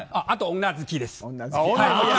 あ、あと、女好きです。